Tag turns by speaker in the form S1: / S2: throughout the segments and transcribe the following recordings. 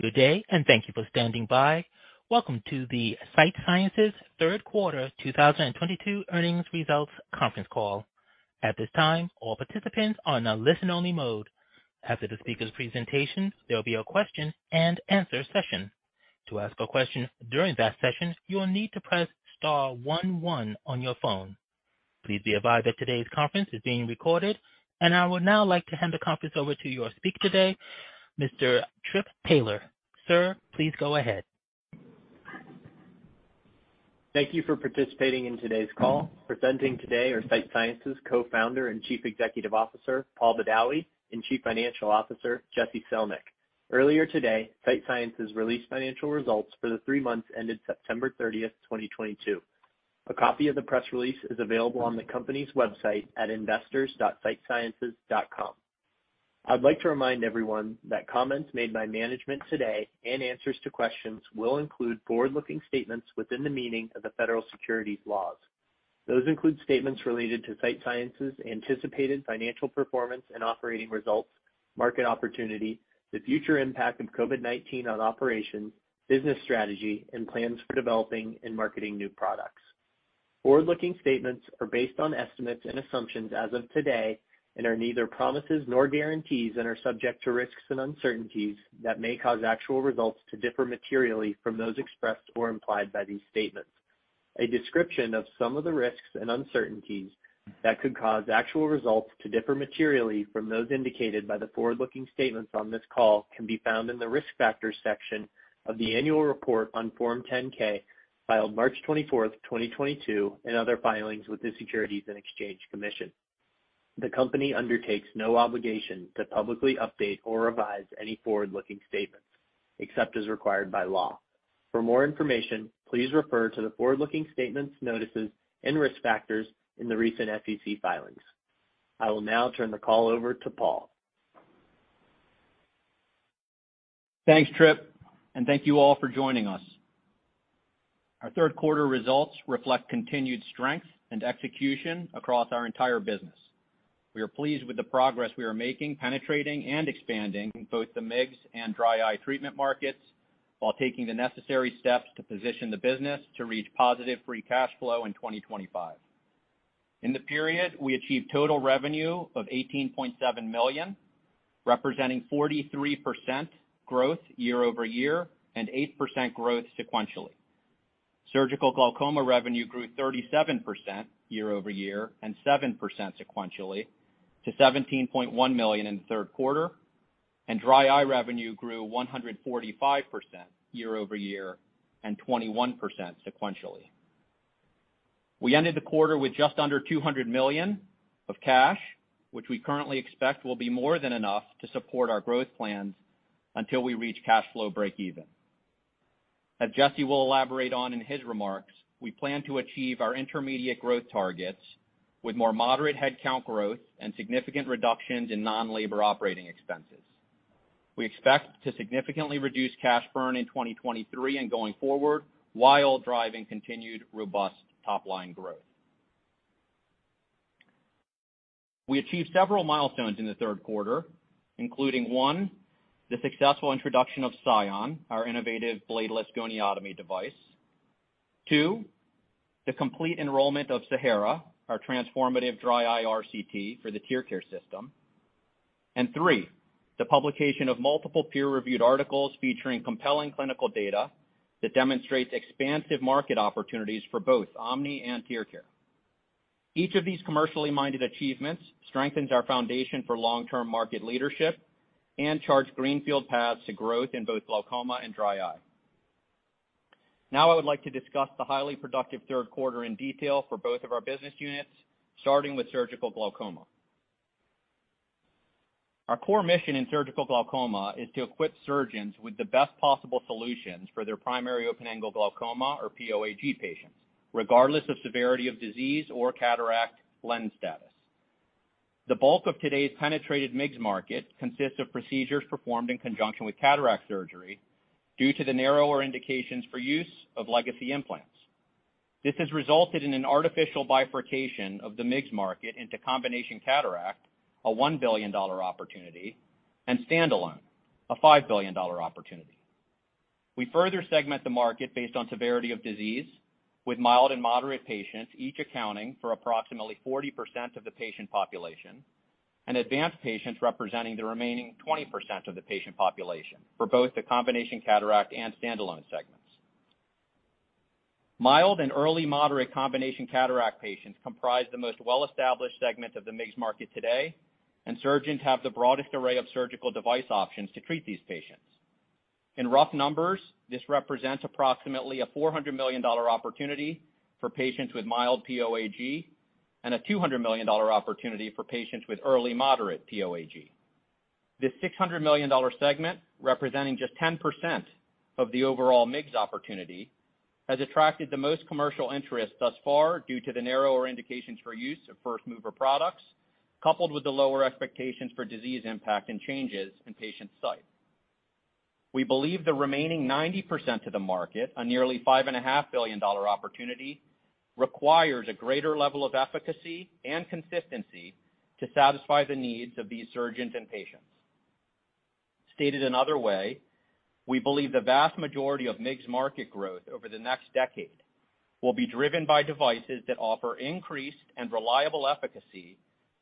S1: Good day, and thank you for standing by. Welcome to the Sight Sciences third quarter 2022 earnings results conference call. At this time, all participants are on a listen-only mode. After the speaker's presentation, there'll be a question and answer session. To ask a question during that session, you will need to press star one one on your phone. Please be advised that today's conference is being recorded. I would now like to hand the conference over to your speaker today, Mr. Philip Taylor. Sir, please go ahead.
S2: Thank you for participating in today's call. Presenting today are Sight Sciences Co-founder and Chief Executive Officer, Paul Badawi, and Chief Financial Officer, Jesse Selnick. Earlier today, Sight Sciences released financial results for the three months ended 30th September 2022. A copy of the press release is available on the company's website at investors.sightsciences.com. I'd like to remind everyone that comments made by management today and answers to questions will include forward-looking statements within the meaning of the federal securities laws. Those include statements related to Sight Sciences' anticipated financial performance and operating results, market opportunity, the future impact of COVID-19 on operations, business strategy, and plans for developing and marketing new products. Forward-looking statements are based on estimates and assumptions as of today and are neither promises nor guarantees and are subject to risks and uncertainties that may cause actual results to differ materially from those expressed or implied by these statements.A description of some of the risks and uncertainties that could cause actual results to differ materially from those indicated by the forward-looking statements on this call can be found in the Risk Factors section of the annual report on Form 10-K filed 24th March 2022, and other filings with the Securities and Exchange Commission. The company undertakes no obligation to publicly update or revise any forward-looking statements, except as required by law. For more information, please refer to the forward-looking statements notices and risk factors in the recent SEC filings. I will now turn the call over to Paul.
S3: Thanks, Trip, and thank you all for joining us. Our third quarter results reflect continued strength and execution across our entire business. We are pleased with the progress we are making, penetrating and expanding both the MIGS and dry eye treatment markets while taking the necessary steps to position the business to reach positive free cash flow in 2025. In the period, we achieved total revenue of $18.7 million, representing 43% growth year-over-year and 8% growth sequentially. Surgical glaucoma revenue grew 37% year-over-year and 7% sequentially to $17.1 million in the third quarter, and dry eye revenue grew 145% year-over-year and 21% sequentially. We ended the quarter with just under $200 million of cash, which we currently expect will be more than enough to support our growth plans until we reach cash flow breakeven. As Jesse will elaborate on in his remarks, we plan to achieve our intermediate growth targets with more moderate headcount growth and significant reductions in non-labor operating expenses. We expect to significantly reduce cash burn in 2023 and going forward while driving continued robust top-line growth. We achieved several milestones in the third quarter, including one, the successful introduction of SION, our innovative bladeless goniotomy device. Two, the complete enrollment of SAHARA, our transformative dry eye RCT for the TearCare system. Three, the publication of multiple peer-reviewed articles featuring compelling clinical data that demonstrates expansive market opportunities for both OMNI and TearCare. Each of these commercially-minded achievements strengthens our foundation for long-term market leadership and charts greenfield paths to growth in both glaucoma and dry eye. Now, I would like to discuss the highly productive third quarter in detail for both of our business units, starting with surgical glaucoma. Our core mission in surgical glaucoma is to equip surgeons with the best possible solutions for their primary open-angle glaucoma or POAG patients, regardless of severity of disease or cataract lens status. The bulk of today's penetrated MIGS market consists of procedures performed in conjunction with cataract surgery due to the narrower indications for use of legacy implants. This has resulted in an artificial bifurcation of the MIGS market into combination cataract, a $1 billion opportunity, and standalone, a $5 billion opportunity. We further segment the market based on severity of disease, with mild and moderate patients each accounting for approximately 40% of the patient population and advanced patients representing the remaining 20% of the patient population for both the combination cataract and standalone segments. Mild and early moderate combination cataract patients comprise the most well-established segment of the MIGS market today, and surgeons have the broadest array of surgical device options to treat these patients. In rough numbers, this represents approximately a $400 million opportunity for patients with mild POAG and a $200 million opportunity for patients with early moderate POAG. This $600 million segment, representing just 10% of the overall MIGS opportunity, has attracted the most commercial interest thus far due to the narrower indications for use of first-mover products, coupled with the lower expectations for disease impact and changes in patient sight. We believe the remaining 90% of the market, a nearly $5.5 billion opportunity, requires a greater level of efficacy and consistency to satisfy the needs of these surgeons and patients. Stated another way, we believe the vast majority of MIGS market growth over the next decade will be driven by devices that offer increased and reliable efficacy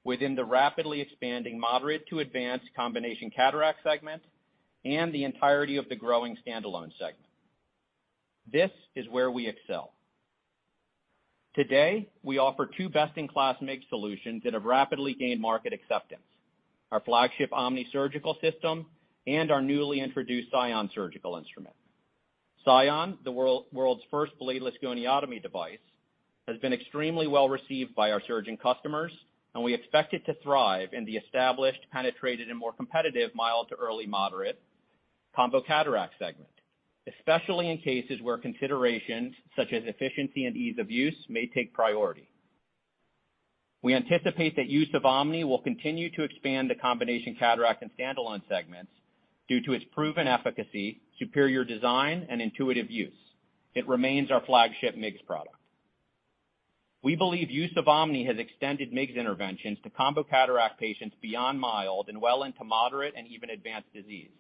S3: within the rapidly expanding moderate to advanced combination cataract segment and the entirety of the growing standalone segment. This is where we excel. Today, we offer two best-in-class MIGS solutions that have rapidly gained market acceptance, our flagship OMNI Surgical System and our newly introduced SION Surgical Instrument. SION, the world's first bladeless goniotomy device, has been extremely well-received by our surgeon customers, and we expect it to thrive in the established, penetrated, and more competitive mild to early moderate combo cataract segment, especially in cases where considerations such as efficiency and ease of use may take priority. We anticipate that use of OMNI will continue to expand the combination cataract and standalone segments due to its proven efficacy, superior design, and intuitive use. It remains our flagship MIGS product. We believe use of OMNI has extended MIGS interventions to combo cataract patients beyond mild and well into moderate and even advanced disease.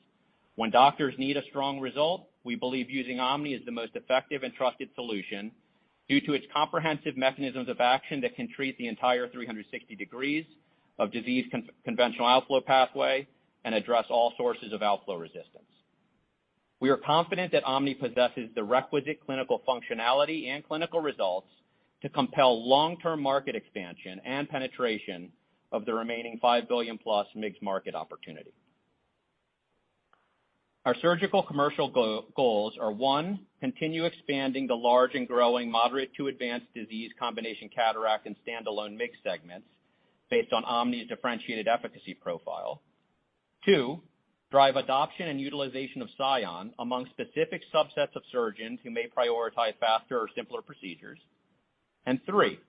S3: When doctors need a strong result, we believe using OMNI is the most effective and trusted solution due to its comprehensive mechanisms of action that can treat the entire 360 degrees of disease conventional outflow pathway and address all sources of outflow resistance. We are confident that OMNI possesses the requisite clinical functionality and clinical results to compel long-term market expansion and penetration of the remaining $5 billion+ MIGS market opportunity. Our surgical commercial goals are, one, continue expanding the large and growing moderate to advanced disease combination cataract and standalone MIGS segments based on OMNI's differentiated efficacy profile. two, drive adoption and utilization of SION among specific subsets of surgeons who may prioritize faster or simpler procedures. And three,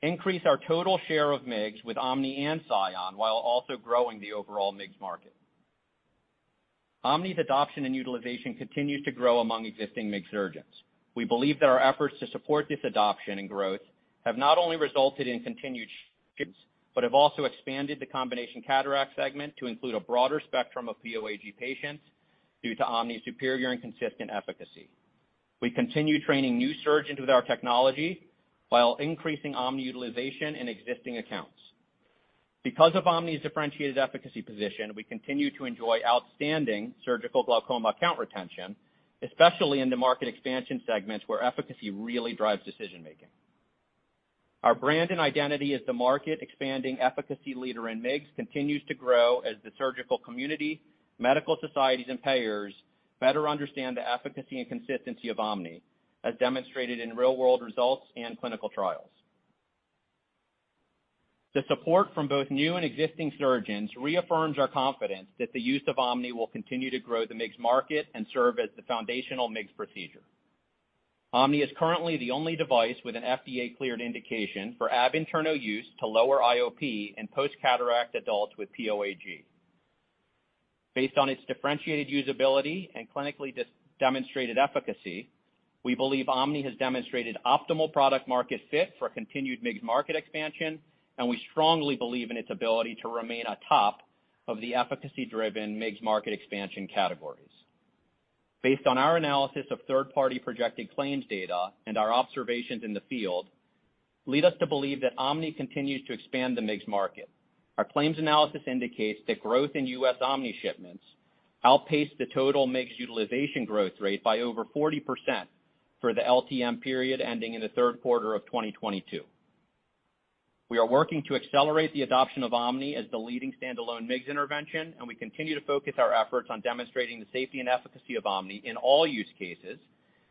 S3: increase our total share of MIGS with OMNI and SION while also growing the overall MIGS market. OMNI's adoption and utilization continues to grow among existing MIGS surgeons. We believe that our efforts to support this adoption and growth have not only resulted in continued but have also expanded the combination cataract segment to include a broader spectrum of POAG patients due to OMNI's superior and consistent efficacy. We continue training new surgeons with our technology while increasing OMNI utilization in existing accounts. Because of OMNI's differentiated efficacy position, we continue to enjoy outstanding surgical glaucoma account retention, especially in the market expansion segments where efficacy really drives decision-making. Our brand and identity as the market-expanding efficacy leader in MIGS continues to grow as the surgical community, medical societies, and payers better understand the efficacy and consistency of OMNI, as demonstrated in real-world results and clinical trials. The support from both new and existing surgeons reaffirms our confidence that the use of OMNI will continue to grow the MIGS market and serve as the foundational MIGS procedure. OMNI is currently the only device with an FDA-cleared indication for ab internal use to lower IOP in post-cataract adults with POAG. Based on its differentiated usability and clinically demonstrated efficacy, we believe OMNI has demonstrated optimal product market fit for continued MIGS market expansion, and we strongly believe in its ability to remain atop of the efficacy-driven MIGS market expansion categories. Based on our analysis of third-party projected claims data and our observations in the field lead us to believe that OMNI continues to expand the MIGS market. Our claims analysis indicates that growth in U.S. OMNI shipments outpaced the total MIGS utilization growth rate by over 40% for the LTM period ending in the third quarter of 2022. We are working to accelerate the adoption of OMNI as the leading standalone MIGS intervention, and we continue to focus our efforts on demonstrating the safety and efficacy of OMNI in all use cases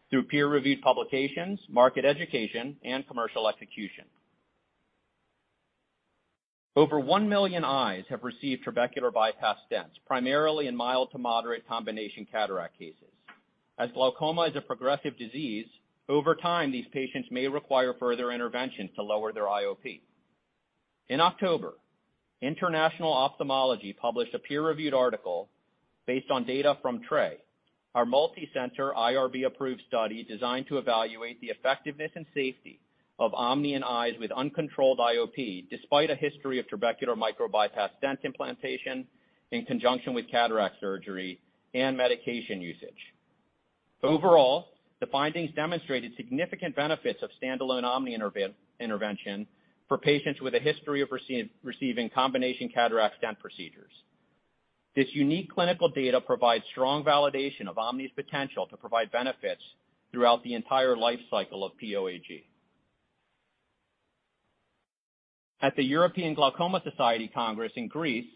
S3: through peer-reviewed publications, market education, and commercial execution. Over 1 million eyes have received trabecular bypass stents, primarily in mild to moderate combination cataract cases. As glaucoma is a progressive disease, over time, these patients may require further interventions to lower their IOP. In October, International Ophthalmology published a peer-reviewed article based on data from TRAY, our multi-center IRB-approved study designed to evaluate the effectiveness and safety of OMNI in eyes with uncontrolled IOP despite a history of trabecular micro-bypass stent implantation in conjunction with cataract surgery and medication usage. Overall, the findings demonstrated significant benefits of standalone OMNI intervention for patients with a history of receiving combination cataract stent procedures. This unique clinical data provides strong validation of OMNI's potential to provide benefits throughout the entire life cycle of POAG. At the European Glaucoma Society Congress in Greece,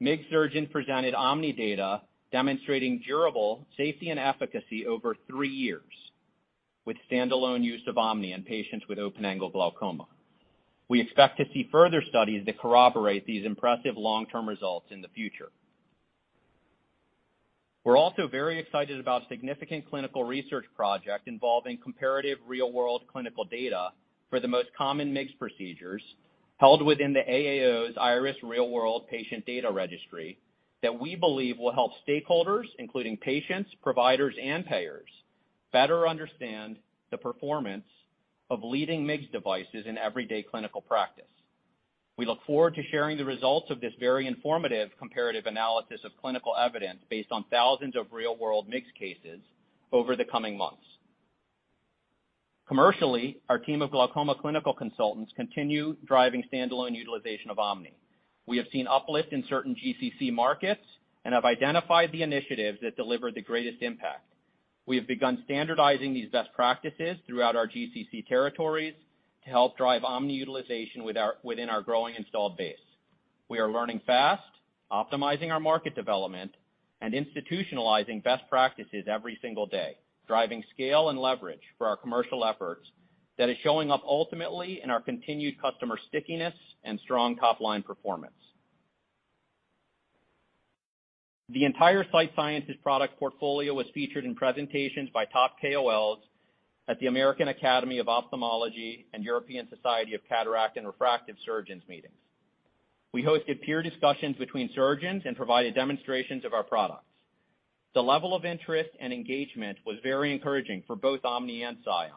S3: MIGS surgeon presented OMNI data demonstrating durable safety and efficacy over three years with standalone use of OMNI in patients with open-angle glaucoma. We expect to see further studies that corroborate these impressive long-term results in the future. We're also very excited about significant clinical research project involving comparative real-world clinical data for the most common MIGS procedures held within the AAO's IRIS Real World Patient Data Registry. That we believe will help stakeholders, including patients, providers and payers, better understand the performance of leading MIGS devices in everyday clinical practice. We look forward to sharing the results of this very informative comparative analysis of clinical evidence based on thousands of real-world MIGS cases over the coming months. Commercially, our team of glaucoma clinical consultants continue driving standalone utilization of OMNI. We have seen uplift in certain GCC markets and have identified the initiatives that deliver the greatest impact. We have begun standardizing these best practices throughout our GCC territories to help drive OMNI utilization within our growing installed base. We are learning fast, optimizing our market development and institutionalizing best practices every single day, driving scale and leverage for our commercial efforts that is showing up ultimately in our continued customer stickiness and strong top-line performance. The entire Sight Sciences product portfolio was featured in presentations by top KOLs at the American Academy of Ophthalmology and European Society of Cataract and Refractive Surgeons meetings. We hosted peer discussions between surgeons and provided demonstrations of our products. The level of interest and engagement was very encouraging for both OMNI and SION,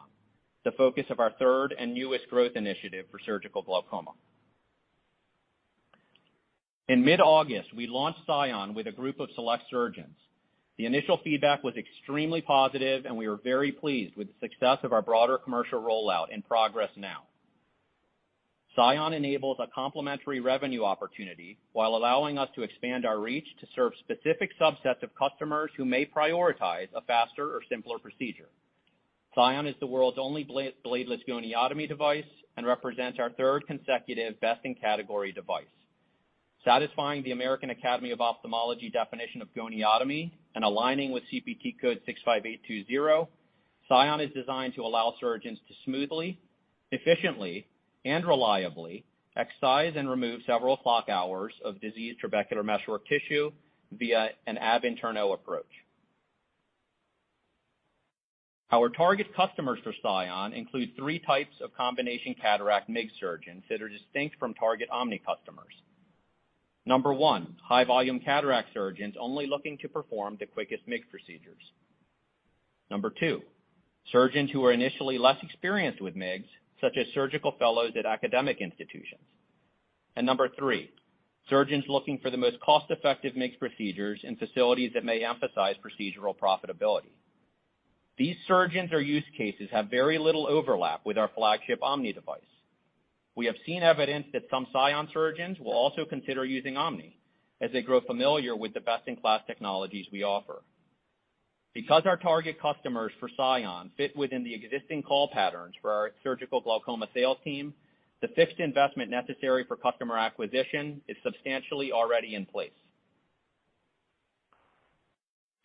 S3: the focus of our third and newest growth initiative for surgical glaucoma. In mid-August, we launched SION with a group of select surgeons. The initial feedback was extremely positive, and we were very pleased with the success of our broader commercial rollout in progress now. SION enables a complementary revenue opportunity while allowing us to expand our reach to serve specific subsets of customers who may prioritize a faster or simpler procedure. SION is the world's only bladeless goniotomy device and represents our third consecutive best-in-category device. Satisfying the American Academy of Ophthalmology definition of goniotomy and aligning with CPT code 65820, SION is designed to allow surgeons to smoothly, efficiently, and reliably excise and remove several clock hours of diseased trabecular meshwork tissue via an ab interno approach. Our target customers for SION include three types of combination cataract MIGS surgeons that are distinct from target OMNI customers. Number one, high volume cataract surgeons only looking to perform the quickest MIGS procedures. Number two, surgeons who are initially less experienced with MIGS, such as surgical fellows at academic institutions. Number three, surgeons looking for the most cost-effective MIGS procedures in facilities that may emphasize procedural profitability. These surgeons or use cases have very little overlap with our flagship OMNI device. We have seen evidence that some SION surgeons will also consider using OMNI as they grow familiar with the best-in-class technologies we offer. Because our target customers for SION fit within the existing call patterns for our surgical glaucoma sales team, the fixed investment necessary for customer acquisition is substantially already in place.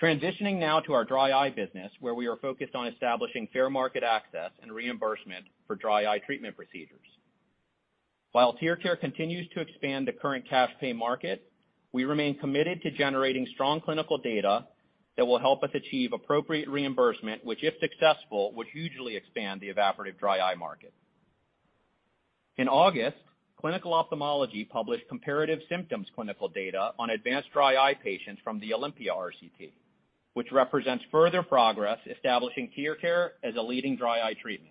S3: Transitioning now to our dry eye business, where we are focused on establishing fair market access and reimbursement for dry eye treatment procedures. While TearCare continues to expand the current cash pay market, we remain committed to generating strong clinical data that will help us achieve appropriate reimbursement, which, if successful, would hugely expand the evaporative dry eye market. In August, Clinical Ophthalmology published comparative symptoms clinical data on advanced dry eye patients from the OLYMPIA RCT, which represents further progress establishing TearCare as a leading dry eye treatment.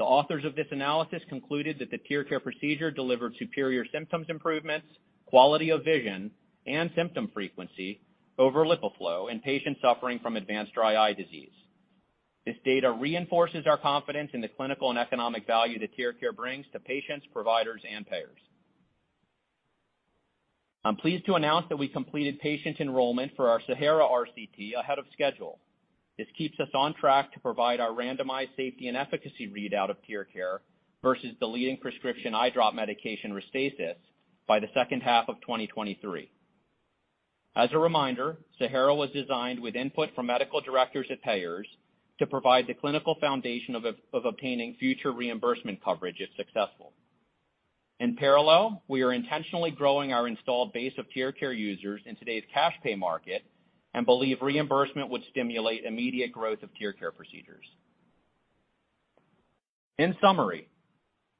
S3: The authors of this analysis concluded that the TearCare procedure delivered superior symptoms improvements, quality of vision, and symptom frequency over LipiFlow in patients suffering from advanced dry eye disease. This data reinforces our confidence in the clinical and economic value that TearCare brings to patients, providers and payers. I'm pleased to announce that we completed patient enrollment for our SAHARA RCT ahead of schedule. This keeps us on track to provide our randomized safety and efficacy readout of TearCare versus the leading prescription eye drop medication, Restasis, by the second half of 2023. As a reminder, SAHARA was designed with input from medical directors at payers to provide the clinical foundation of obtaining future reimbursement coverage if successful. In parallel, we are intentionally growing our installed base of TearCare users in today's cash pay market and believe reimbursement would stimulate immediate growth of TearCare procedures. In summary,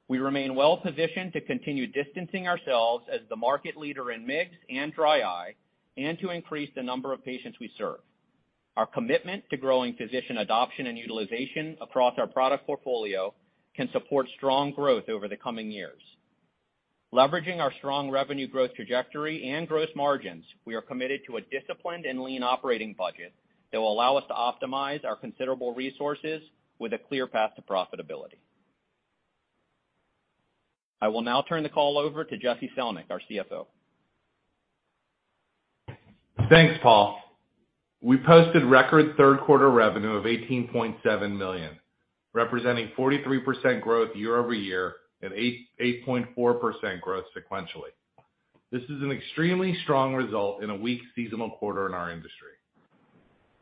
S3: we remain well positioned to continue distancing ourselves as the market leader in MIGS and dry eye and to increase the number of patients we serve. Our commitment to growing physician adoption and utilization across our product portfolio can support strong growth over the coming years. Leveraging our strong revenue growth trajectory and gross margins, we are committed to a disciplined and lean operating budget that will allow us to optimize our considerable resources with a clear path to profitability. I will now turn the call over to Jesse Selnick, our CFO.
S4: Thanks, Paul. We posted record third quarter revenue of $18.7 million, representing 43% growth year-over-year and 8.4% growth sequentially. This is an extremely strong result in a weak seasonal quarter in our industry.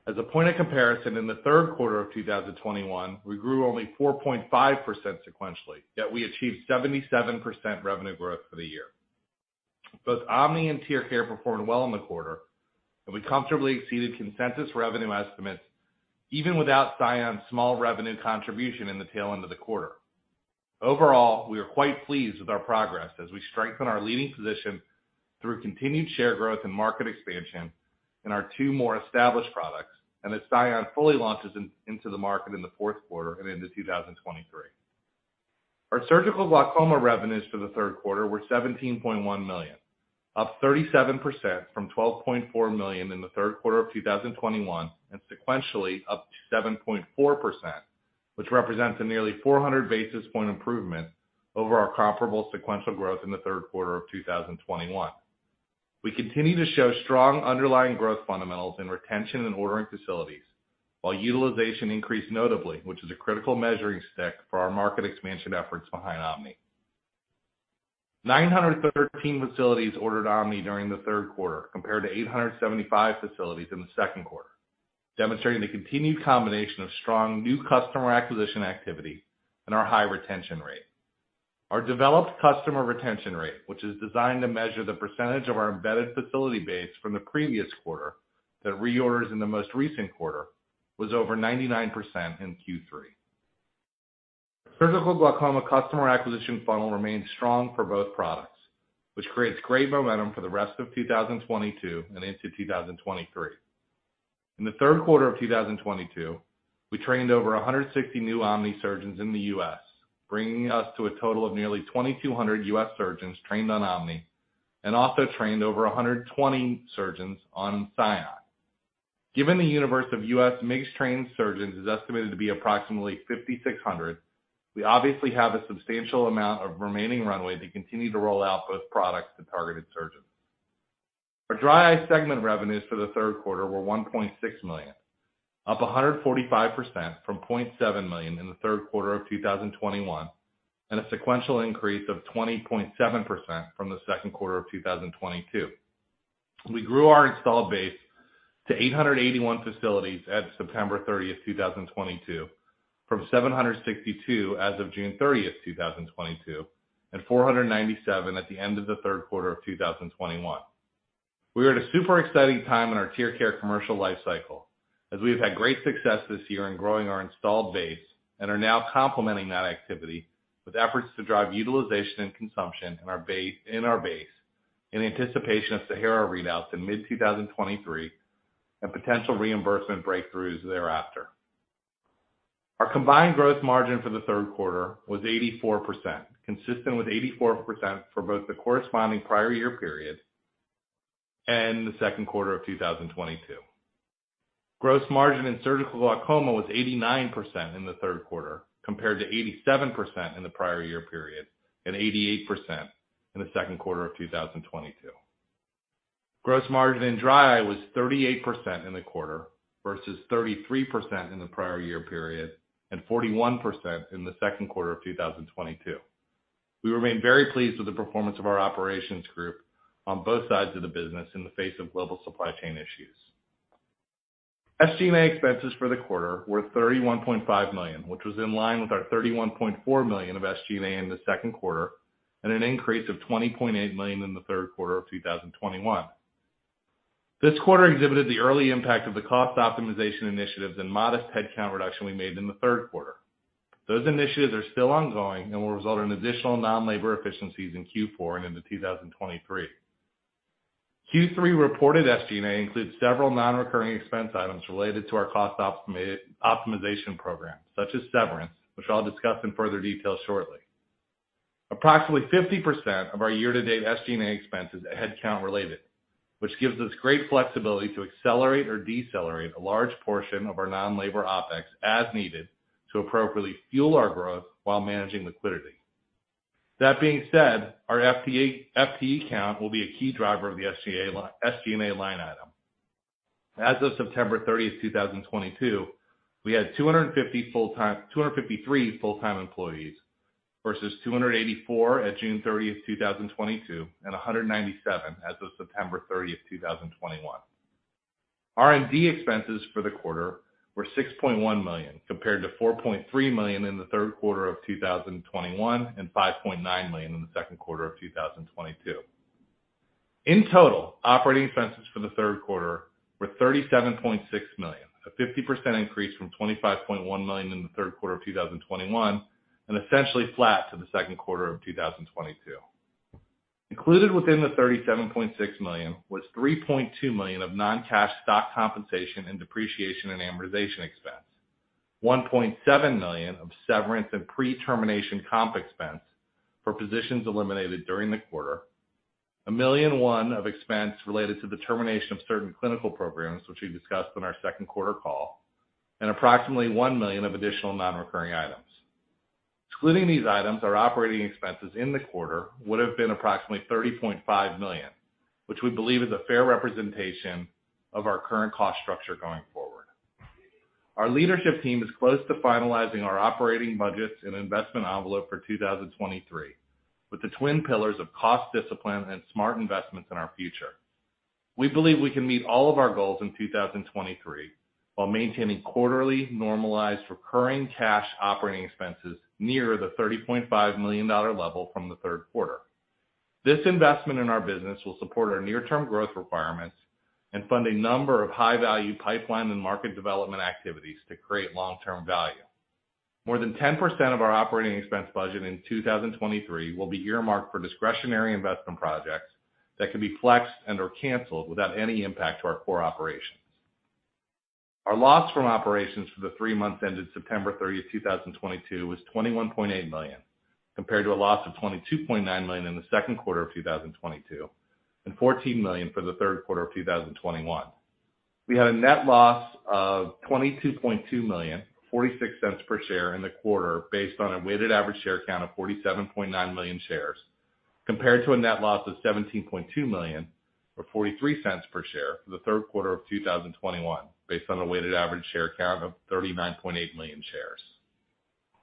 S4: As a point of comparison, in the third quarter of 2021, we grew only 4.5% sequentially, yet we achieved 77% revenue growth for the year. Both OMNI and TearCare performed well in the quarter, and we comfortably exceeded consensus revenue estimates even without SION's small revenue contribution in the tail end of the quarter. Overall, we are quite pleased with our progress as we strengthen our leading position through continued share growth and market expansion in our two more established products, and as SION fully launches into the market in the fourth quarter and into 2023. Our surgical glaucoma revenues for the third quarter were $17.1 million, up 37% from $12.4 million in the third quarter of 2021, and sequentially up 7.4%, which represents a nearly 400 basis point improvement over our comparable sequential growth in the third quarter of 2021. We continue to show strong underlying growth fundamentals in retention and ordering facilities, while utilization increased notably, which is a critical measuring stick for our market expansion efforts behind OMNI. 913 facilities ordered OMNI during the third quarter, compared to 875 facilities in the second quarter, demonstrating the continued combination of strong new customer acquisition activity and our high retention rate. Our developed customer retention rate, which is designed to measure the percentage of our embedded facility base from the previous quarter that reorders in the most recent quarter, was over 99% in Q3. Surgical glaucoma customer acquisition funnel remains strong for both products, which creates great momentum for the rest of 2022 and into 2023. In the third quarter of 2022, we trained over 160 new OMNI surgeons in the U.S., bringing us to a total of nearly 2,200 U.S. surgeons trained on OMNI, and also trained over 120 surgeons on SION. Given the universe of U.S. MIGS trained surgeons is estimated to be approximately 5,600, we obviously have a substantial amount of remaining runway to continue to roll out both products to targeted surgeons. Our dry eye segment revenues for the third quarter were $1.6 million, up 145% from $0.7 million in the third quarter of 2021, and a sequential increase of 20.7% from the second quarter of 2022. We grew our installed base to 881 facilities at 30th September 2022, from 762 as of 30th June 2022, and 497 at the end of the third quarter of 2021. We are at a super exciting time in our TearCare commercial life cycle, as we have had great success this year in growing our installed base and are now complementing that activity with efforts to drive utilization and consumption in our base in anticipation of SAHARA readouts in mid-2023 and potential reimbursement breakthroughs thereafter. Our combined gross margin for the third quarter was 84%, consistent with 84% for both the corresponding prior year period and the second quarter of 2022. Gross margin in surgical glaucoma was 89% in the third quarter, compared to 87% in the prior year period and 88% in the second quarter of 2022. Gross margin in dry eye was 38% in the quarter versus 33% in the prior year period and 41% in the second quarter of 2022. We remain very pleased with the performance of our operations group on both sides of the business in the face of global supply chain issues. SG&A expenses for the quarter were $31.5 million, which was in line with our $31.4 million of SG&A in the second quarter and an increase of $20.8 million in the third quarter of 2021. This quarter exhibited the early impact of the cost optimization initiatives and modest headcount reduction we made in the third quarter. Those initiatives are still ongoing and will result in additional non-labor efficiencies in Q4 and into 2023. Q3 reported SG&A includes several non-recurring expense items related to our cost optimization program, such as severance, which I'll discuss in further detail shortly. Approximately 50% of our year-to-date SG&A expense is headcount related, which gives us great flexibility to accelerate or decelerate a large portion of our non-labor OpEx as needed to appropriately fuel our growth while managing liquidity. That being said, our FTE count will be a key driver of the SG&A line item. As of September 30, 2022, we had 253 full-time employees versus 284 at June 30, 2022, and 197 as of September 30, 2021. R&D expenses for the quarter were $6.1 million, compared to $4.3 million in the third quarter of 2021 and $5.9 million in the second quarter of 2022. In total, operating expenses for the third quarter were $37.6 million, a 50% increase from $25.1 million in the third quarter of 2021, and essentially flat to the second quarter of 2022. Included within the $37.6 million was $3.2 million of non-cash stock compensation and depreciation and amortization expense, $1.7 million of severance and pre-termination comp expense for positions eliminated during the quarter, $1.1 million of expense related to the termination of certain clinical programs, which we discussed on our second quarter call, and approximately $1 million of additional non-recurring items. Excluding these items, our operating expenses in the quarter would have been approximately $30.5 million, which we believe is a fair representation of our current cost structure going forward. Our leadership team is close to finalizing our operating budgets and investment envelope for 2023, with the twin pillars of cost discipline and smart investments in our future. We believe we can meet all of our goals in 2023 while maintaining quarterly normalized recurring cash operating expenses near the $30.5 million level from the third quarter. This investment in our business will support our near-term growth requirements and fund a number of high-value pipeline and market development activities to create long-term value. More than 10% of our operating expense budget in 2023 will be earmarked for discretionary investment projects that can be flexed and/or canceled without any impact to our core operations. Our loss from operations for the three months ended 30th September 2022 was $21.8 million, compared to a loss of $22.9 million in the second quarter of 2022 and $14 million for the third quarter of 2021. We had a net loss of $22.2 million, 0.46 per share in the quarter based on a weighted average share count of 47.9 million shares, compared to a net loss of $17.2 million or 0.43 per share for the third quarter of 2021, based on a weighted average share count of 39.8 million shares.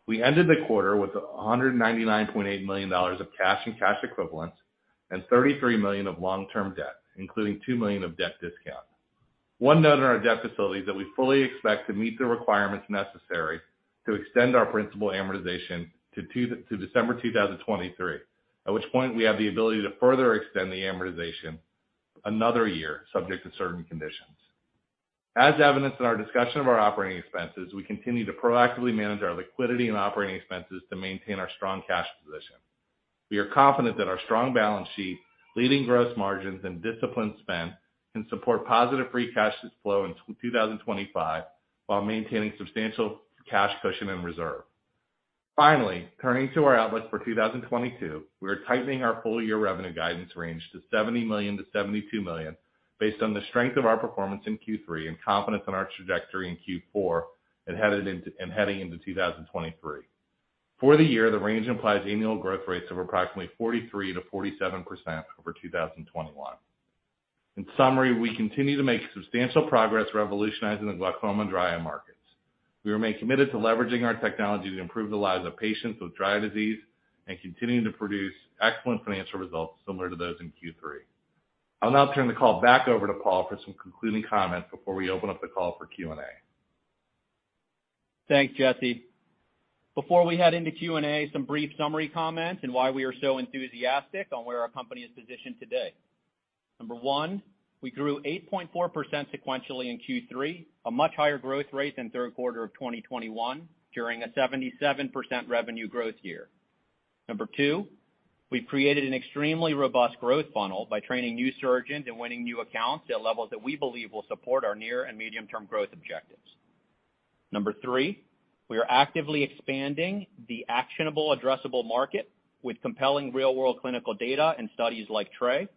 S4: We ended the quarter with $199.8 million of cash and cash equivalents and $33 million of long-term debt, including $2 million of debt discount. One note on our debt facility is that we fully expect to meet the requirements necessary to extend our principal amortization to December 2023, at which point we have the ability to further extend the amortization another year subject to certain conditions. As evidenced in our discussion of our operating expenses, we continue to proactively manage our liquidity and operating expenses to maintain our strong cash position. We are confident that our strong balance sheet, leading gross margins, and disciplined spend can support positive free cash flow in 2025 while maintaining substantial cash cushion and reserve. Finally, turning to our outlook for 2022, we are tightening our full-year revenue guidance range to $70 million-$72 million based on the strength of our performance in Q3 and confidence in our trajectory in Q4 and heading into 2023. For the year, the range implies annual growth rates of approximately 43%-47% over 2021. In summary, we continue to make substantial progress revolutionizing the glaucoma and dry eye markets. We remain committed to leveraging our technology to improve the lives of patients with dry eye disease and continuing to produce excellent financial results similar to those in Q3. I'll now turn the call back over to Paul for some concluding comments before we open up the call for Q&A.
S3: Thanks, Jesse. Before we head into Q&A, some brief summary comments on why we are so enthusiastic on where our company is positioned today. Number one, we grew 8.4% sequentially in Q3, a much higher growth rate than third quarter of 2021 during a 77% revenue growth year. Number two, we've created an extremely robust growth funnel by training new surgeons and winning new accounts at levels that we believe will support our near and medium-term growth objectives. Number three, we are actively expanding the actionable addressable market with compelling real-world clinical data and studies like TRAY.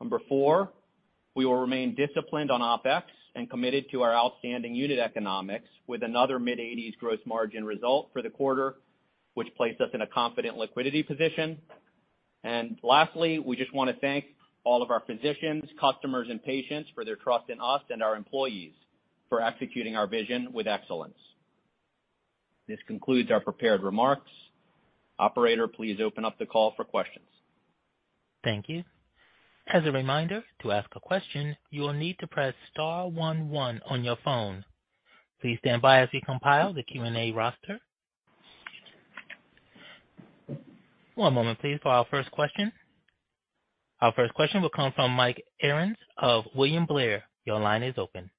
S3: Number four, we will remain disciplined on OpEx and committed to our outstanding unit economics with another mid-80s% gross margin result for the quarter, which places us in a confident liquidity position. Lastly, we just wanna thank all of our physicians, customers, and patients for their trust in us and our employees for executing our vision with excellence. This concludes our prepared remarks. Operator, please open up the call for questions.
S1: Thank you. As a reminder, to ask a question, you will need to press star one one on your phone. Please stand by as we compile the Q&A roster. One moment please for our first question. Our first question will come from Mike Ahrens of William Blair. Your line is open.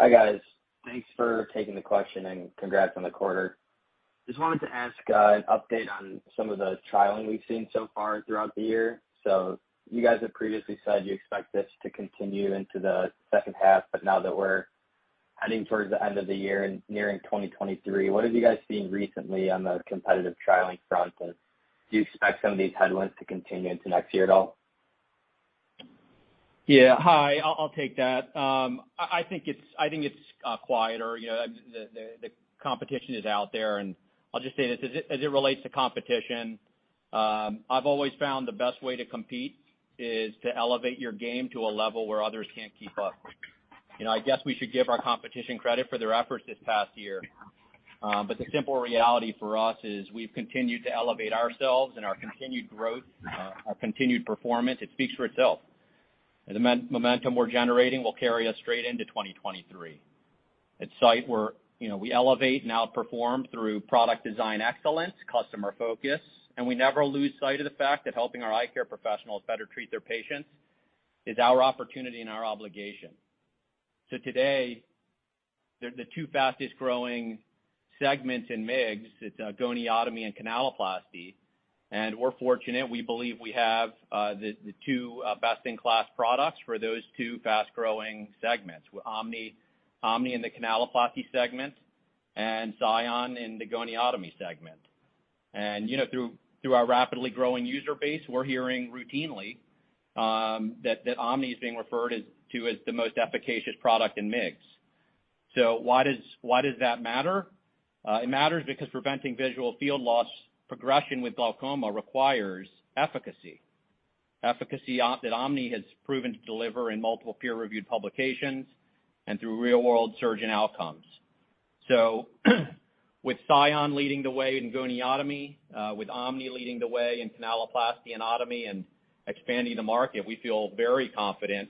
S5: Hi, guys. Thanks for taking the question and congrats on the quarter. Just wanted to ask an update on some of the trialing we've seen so far throughout the year. You guys have previously said you expect this to continue into the second half, but now that we're heading towards the end of the year and nearing 2023, what have you guys seen recently on the competitive trialing front? And do you expect some of these headwinds to continue into next year at all?
S3: Yeah. Hi, I'll take that. I think it's quieter. You know, the competition is out there, and I'll just say this as it relates to competition. I've always found the best way to compete is to elevate your game to a level where others can't keep up. You know, I guess we should give our competition credit for their efforts this past year. The simple reality for us is we've continued to elevate ourselves and our continued growth, our continued performance. It speaks for itself. The momentum we're generating will carry us straight into 2023. At Sight, you know, we elevate and outperform through product design excellence, customer focus, and we never lose sight of the fact that helping our eye care professionals better treat their patients is our opportunity and our obligation. Today, the two fastest-growing segments in MIGS are goniotomy and canaloplasty, and we're fortunate. We believe we have the two best-in-class products for those two fast-growing segments, with OMNI in the canaloplasty segment and SION in the goniotomy segment. You know, through our rapidly growing user base, we're hearing routinely that OMNI is being referred to as the most efficacious product in MIGS. Why does that matter? It matters because preventing visual field loss progression with glaucoma requires efficacy that OMNI has proven to deliver in multiple peer-reviewed publications and through real-world surgeon outcomes. With SION leading the way in goniotomy, with OMNI leading the way in canaloplasty and goniotomy and expanding the market, we feel very confident.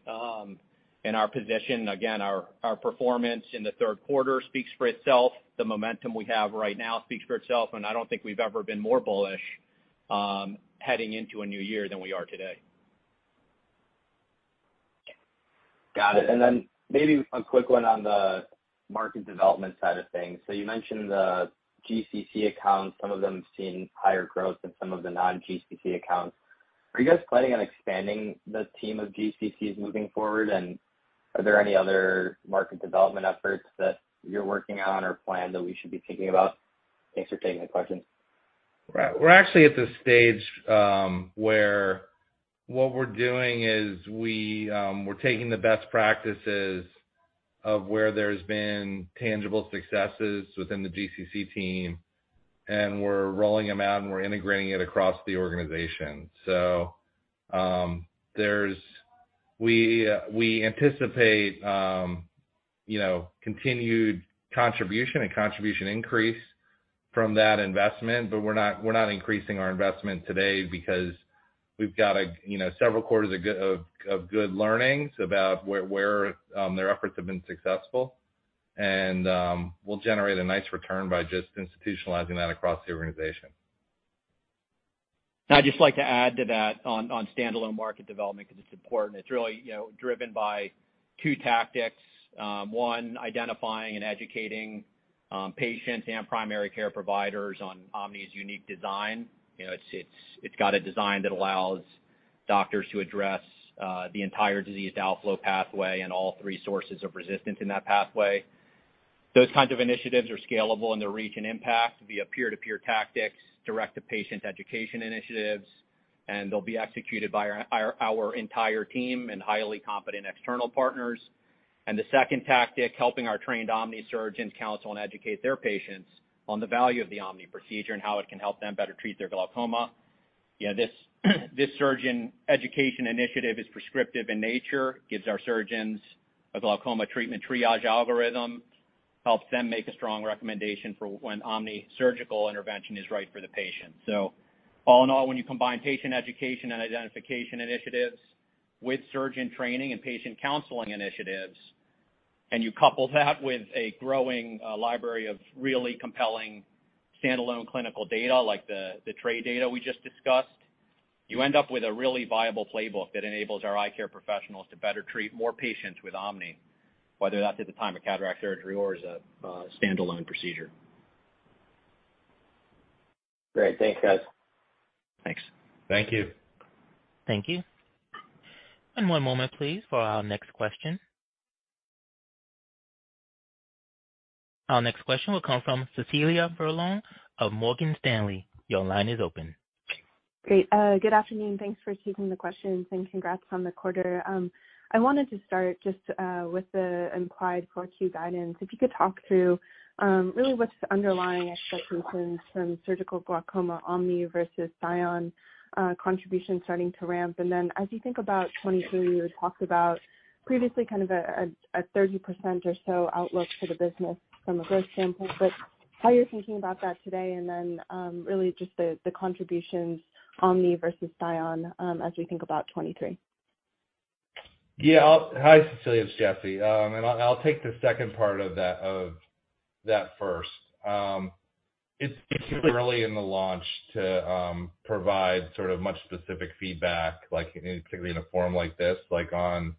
S3: Our position, again, our performance in the third quarter speaks for itself. The momentum we have right now speaks for itself, and I don't think we've ever been more bullish, heading into a new year than we are today.
S5: Got it. Maybe a quick one on the market development side of things. You mentioned the GCC accounts, some of them seeing higher growth than some of the non-GCC accounts. Are you guys planning on expanding the team of GCCs moving forward? Are there any other market development efforts that you're working on or plan that we should be thinking about? Thanks for taking the question.
S4: Right. We're actually at the stage where what we're doing is we're taking the best practices of where there's been tangible successes within the GCC team, and we're rolling them out, and we're integrating it across the organization. We anticipate, you know, continued contribution and contribution increase from that investment, but we're not increasing our investment today because we've got a, you know, several quarters of good learnings about where their efforts have been successful. We'll generate a nice return by just institutionalizing that across the organization.
S3: I'd just like to add to that on standalone market development because it's important. It's really, you know, driven by two tactics. One, identifying and educating patients and primary care providers on Omni's unique design. You know, it's got a design that allows doctors to address the entire disease outflow pathway and all three sources of resistance in that pathway. Those kinds of initiatives are scalable in their reach and impact via peer-to-peer tactics, direct-to-patient education initiatives, and they'll be executed by our entire team and highly competent external partners. The second tactic, helping our trained Omni surgeons counsel and educate their patients on the value of the Omni procedure and how it can help them better treat their glaucoma. You know, this surgeon education initiative is prescriptive in nature, gives our surgeons a glaucoma treatment triage algorithm, helps them make a strong recommendation for when OMNI surgical intervention is right for the patient. All in all, when you combine patient education and identification initiatives with surgeon training and patient counseling initiatives, and you couple that with a growing library of really compelling standalone clinical data like the TRAY data we just discussed, you end up with a really viable playbook that enables our eye care professionals to better treat more patients with OMNI, whether that's at the time of cataract surgery or as a standalone procedure.
S5: Great. Thanks, guys.
S3: Thanks.
S4: Thank you.
S1: Thank you. One moment please for our next question. Our next question will come from Cecilia Furlong of Morgan Stanley. Your line is open.
S6: Great. Good afternoon. Thanks for taking the questions and congrats on the quarter. I wanted to start just with the implied 4Q guidance. If you could talk through really what's the underlying expectations from surgical glaucoma OMNI versus SION contribution starting to ramp. As you think about 2023, you had talked about previously kind of a 30% or so outlook for the business from a growth standpoint, but how you're thinking about that today and then really just the contributions OMNI versus SION as we think about 2023.
S4: Yeah. Hi, Cecilia, it's Jesse. I'll take the second part of that first. It's too early in the launch to provide sort of much specific feedback, like particularly in a forum like this, like on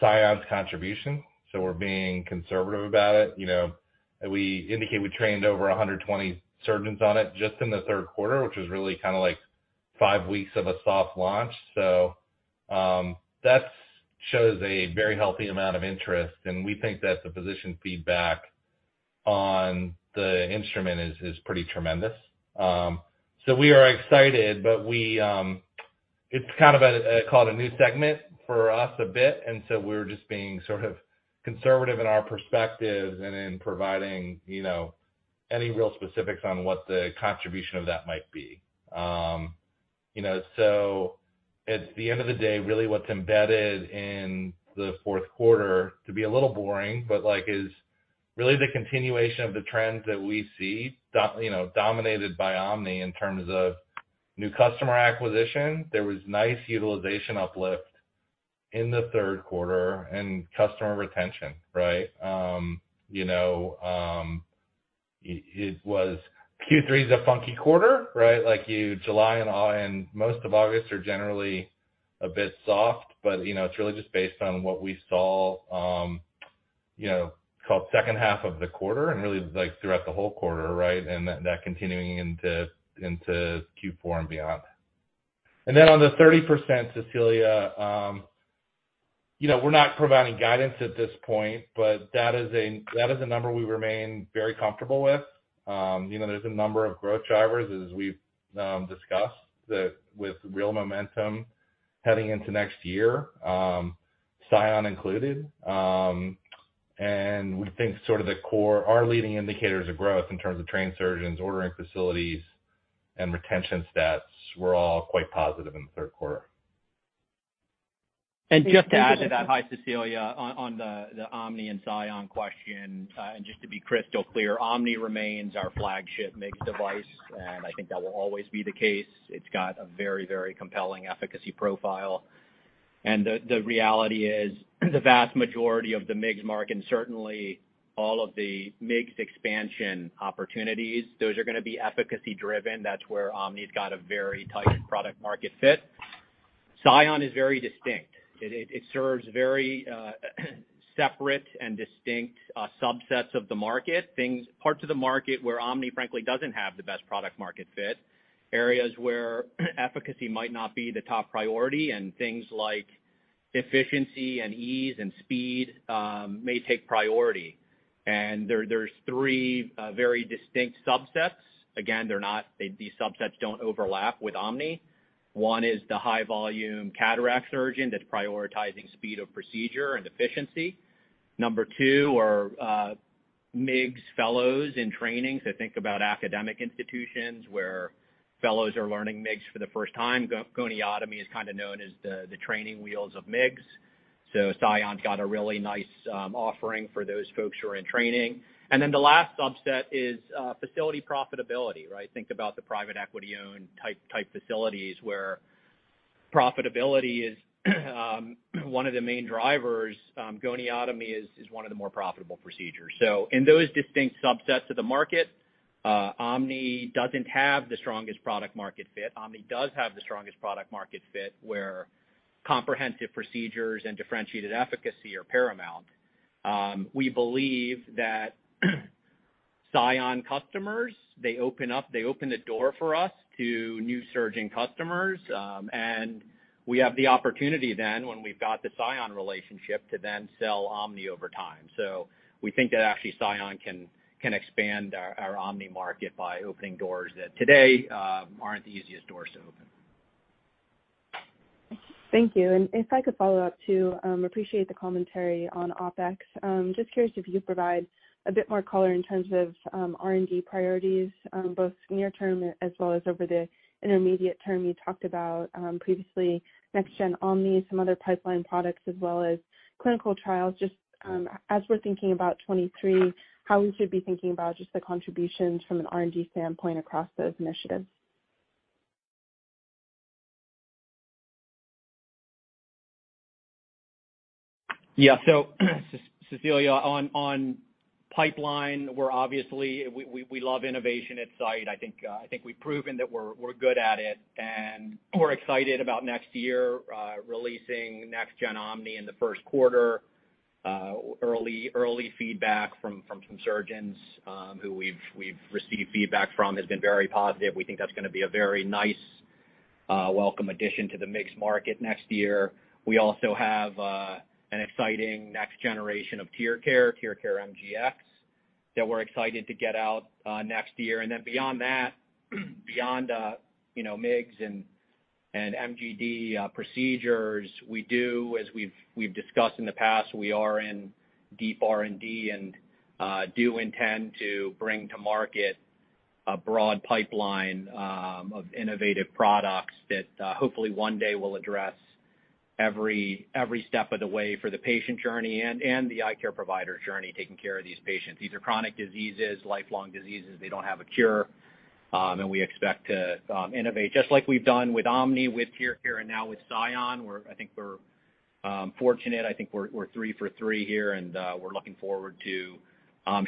S4: SION's contribution. We're being conservative about it. You know, we indicate we trained over 120 surgeons on it just in the third quarter, which is really kind of like five weeks of a soft launch. That shows a very healthy amount of interest, and we think that the physician feedback on the instrument is pretty tremendous. We are excited, but it's kind of called a new segment for us a bit. We're just being sort of conservative in our perspective and in providing, you know, any real specifics on what the contribution of that might be. At the end of the day, really what's embedded in the fourth quarter, to be a little boring, but like is really the continuation of the trends that we see, you know, dominated by Omni in terms of new customer acquisition. There was nice utilization uplift in the third quarter and customer retention, right? It was Q3 is a funky quarter, right? Like, July and most of August are generally a bit soft. It's really just based on what we saw, call it second half of the quarter and really like throughout the whole quarter, right? That continuing into Q4 and beyond. On the 30%, Cecilia, you know, we're not providing guidance at this point, but that is a number we remain very comfortable with. You know, there's a number of growth drivers as we've discussed that with real momentum heading into next year, SION included. We think sort of the core, our leading indicators of growth in terms of trained surgeons, ordering facilities, and retention stats were all quite positive in the third quarter.
S3: Just to add to that, hi, Cecilia, on the OMNI and SION question, and just to be crystal clear, OMNI remains our flagship MIGS device, and I think that will always be the case. It's got a very compelling efficacy profile. The reality is the vast majority of the MIGS market, certainly all of the MIGS expansion opportunities, those are gonna be efficacy driven. That's where OMNI's got a very tight product market fit. SION is very distinct. It serves very separate and distinct subsets of the market. Things, parts of the market where OMNI frankly doesn't have the best product market fit. Areas where efficacy might not be the top priority and things like efficiency and ease and speed may take priority. There are three very distinct subsets. Again, these subsets don't overlap with OMNI. One is the high volume cataract surgeon that's prioritizing speed of procedure and efficiency. Number two are MIGS fellows in training. Think about academic institutions where fellows are learning MIGS for the first time. Goniotomy is kind of known as the training wheels of MIGS. SION's got a really nice offering for those folks who are in training. Then the last subset is facility profitability, right? Think about the private equity-owned type facilities where profitability is one of the main drivers. Goniotomy is one of the more profitable procedures. In those distinct subsets of the market, OMNI doesn't have the strongest product market fit. OMNI does have the strongest product market fit where comprehensive procedures and differentiated efficacy are paramount. We believe that SION customers, they open the door for us to new surgeon customers. We have the opportunity then when we've got the SION relationship to then sell OMNI over time. We think that actually SION can expand our OMNI market by opening doors that today aren't the easiest doors to open.
S6: Thank you. If I could follow up too, appreciate the commentary on OpEx. Just curious if you could provide a bit more color in terms of, R&D priorities, both near term as well as over the intermediate term. You talked about, previously next gen OMNI, some other pipeline products, as well as clinical trials. Just, as we're thinking about 2023, how we should be thinking about just the contributions from an R&D standpoint across those initiatives.
S3: Yeah. Cecilia, on pipeline, we love innovation at Sight. I think we've proven that we're good at it, and we're excited about next year releasing next gen Omni in the first quarter. Early feedback from some surgeons who we've received feedback from has been very positive. We think that's gonna be a very nice welcome addition to the MIGS market next year. We also have an exciting next generation of TearCare MGX, that we're excited to get out next year. Beyond that, you know, MIGS and MGD procedures, we do as we've discussed in the past, we are in deep R&D and do intend to bring to market a broad pipeline of innovative products that hopefully one day will address every step of the way for the patient journey and the eye care provider journey taking care of these patients. These are chronic diseases, lifelong diseases. They don't have a cure. We expect to innovate, just like we've done with OMNI, with TearCare, and now with SION. We're fortunate. I think we're three for three here, and we're looking forward to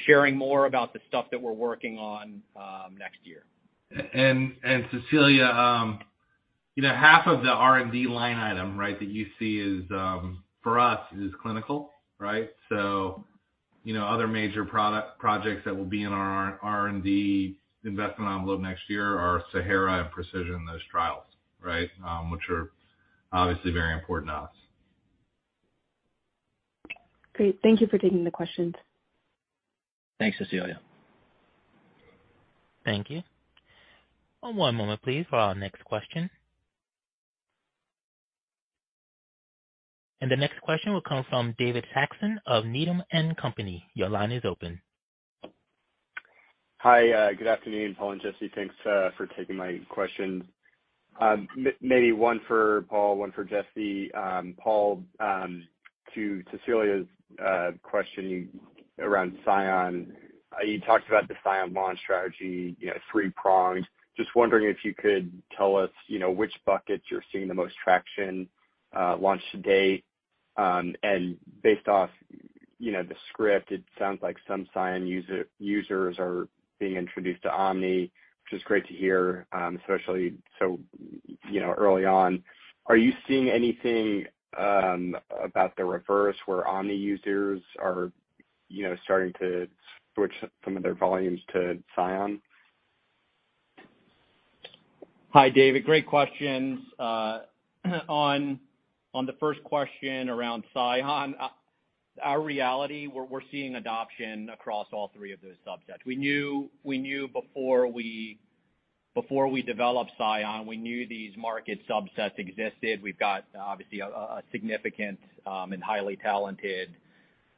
S3: sharing more about the stuff that we're working on next year.
S4: Cecilia, you know, half of the R&D line item, right, that you see is for us clinical, right? You know, other major projects that will be in our R&D investment envelope next year are SAHARA and PRECISION, those trials, right? Which are obviously very important to us.
S6: Great. Thank you for taking the questions.
S3: Thanks, Cecilia.
S1: Thank you. One moment, please, for our next question. The next question will come from David Saxon of Needham & Company. Your line is open.
S7: Hi, good afternoon, Paul and Jesse. Thanks for taking my questions. Maybe one for Paul, one for Jesse. Paul, to Cecilia's question around SION, you talked about the SION launch strategy, you know, three-pronged. Just wondering if you could tell us, you know, which buckets you're seeing the most traction launched to date. Based off the script, it sounds like some SION users are being introduced to OMNI, which is great to hear, especially so, you know, early on. Are you seeing anything about the reverse where OMNI users are, you know, starting to switch some of their volumes to SION?
S3: Hi, David. Great questions. On the first question around SION, our reality, we're seeing adoption across all three of those subsets. We knew before we developed SION, we knew these market subsets existed. We've got obviously a significant and highly talented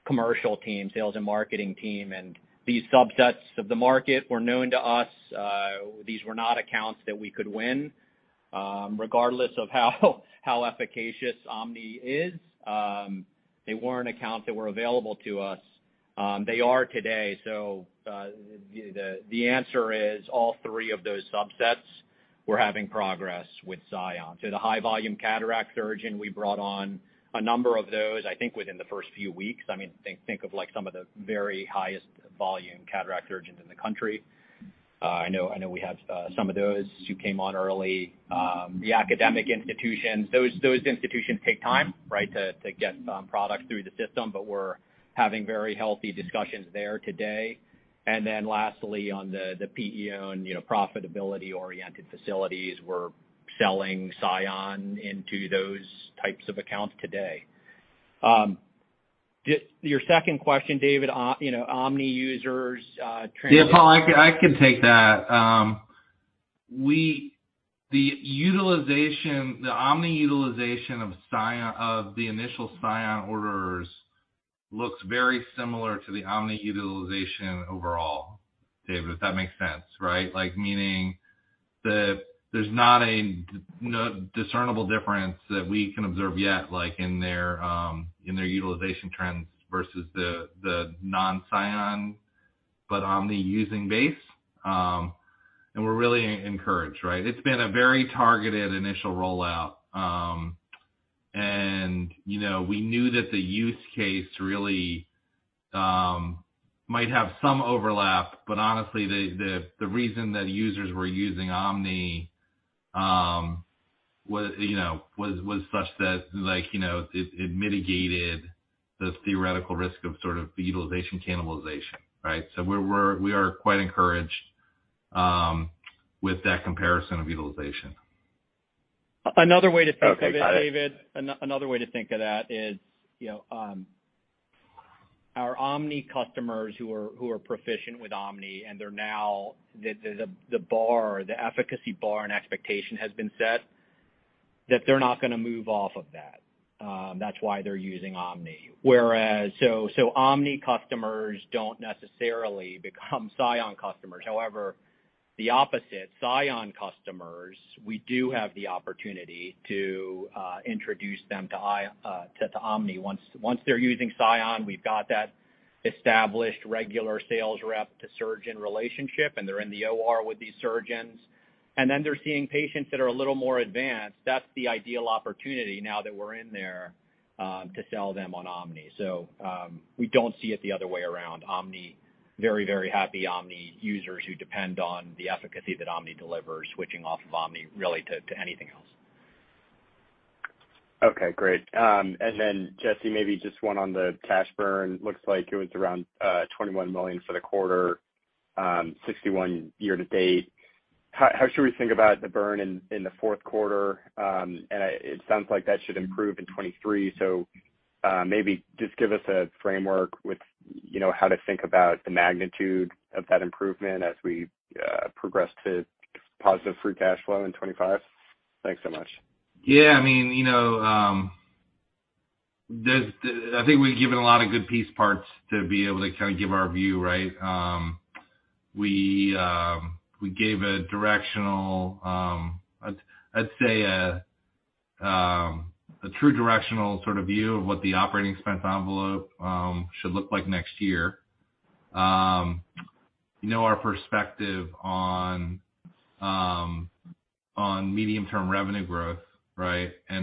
S3: commercial team, sales and marketing team, and these subsets of the market were known to us. These were not accounts that we could win, regardless of how efficacious OMNI is. They weren't accounts that were available to us. They are today. The answer is all three of those subsets we're having progress with SION. The high volume cataract surgeon, we brought on a number of those, I think within the first few weeks. I mean, think of like some of the very highest volume cataract surgeons in the country. I know we have some of those who came on early. The academic institutions, those institutions take time, right, to get products through the system. We're having very healthy discussions there today. Lastly, on the PE-owned and, you know, profitability-oriented facilities, we're selling SION into those types of accounts today. Just your second question, David, you know, OMNI users, trends.
S4: Yeah, Paul, I can take that. The OMNI utilization of the initial SION orders looks very similar to the OMNI utilization overall, David, if that makes sense, right? Like, meaning that there's not a discernible difference that we can observe yet, like in their utilization trends versus the non-SION but OMNI-using base. We're really encouraged, right? It's been a very targeted initial rollout. You know, we knew that the use case really might have some overlap. But honestly, the reason that users were using OMNI was such that like, you know, it mitigated the theoretical risk of sort of the utilization cannibalization, right? We are quite encouraged with that comparison of utilization.
S3: Another way to think of it, David.
S4: Okay, got it.
S3: Another way to think of that is, you know, our Omni customers who are proficient with Omni and they're now the bar or the efficacy bar and expectation has been set that they're not gonna move off of that. That's why they're using Omni. Whereas, Omni customers don't necessarily become Sion customers. However, the opposite, Sion customers, we do have the opportunity to introduce them to Omni. Once they're using Sion, we've got that established regular sales rep to surgeon relationship, and they're in the OR with these surgeons, and then they're seeing patients that are a little more advanced. That's the ideal opportunity now that we're in there to sell them on Omni. We don't see it the other way around. OMNI very, very happy OMNI users who depend on the efficacy that OMNI delivers, switching off of OMNI really to anything else.
S4: Okay, great. Jesse, maybe just one on the cash burn. Looks like it was around $21 million for the quarter, $61 million year to date. How should we think about the burn in the fourth quarter? It sounds like that should improve in 2023. Maybe just give us a framework with, you know, how to think about the magnitude of that improvement as we progress to positive free cash flow in 2025. Thanks so much. Yeah, I mean, you know, I think we've given a lot of good piece parts to be able to kind of give our view, right? We gave a directional, I'd say a true directional sort of view of what the operating expense envelope should look like next year. You know, our perspective on medium-term revenue growth, right? You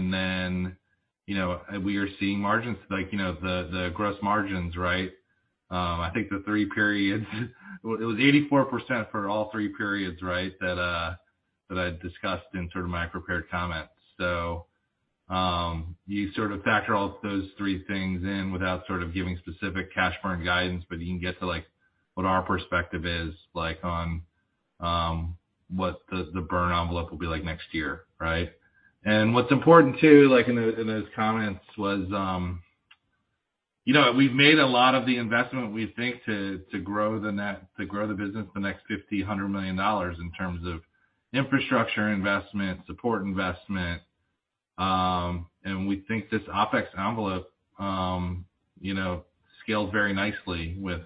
S4: know, we are seeing margins like, you know, the gross margins, right? I think the three periods it was 84% for all three periods, right? That I discussed in sort of my prepared comments. You sort of factor all those three things in without sort of giving specific cash burn guidance, but you can get to, like, what our perspective is like on, what the burn envelope will be like next year, right? What's important, too, like in those comments was, you know, we've made a lot of the investment we think to grow the business the next $50-$100 million in terms of infrastructure investment, support investment. We think this OpEx envelope, you know, scaled very nicely with